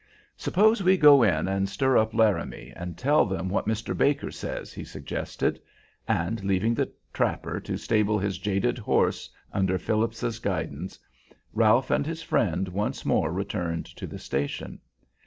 "Suppose we go in and stir up Laramie, and tell them what Mr. Baker says," he suggested; and, leaving the trapper to stable his jaded horse under Phillips's guidance, Ralph and his friend once more returned to the station.